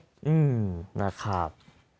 อืมนะครับ